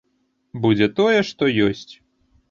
Будзе тое, што ёсць.